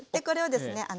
これをですね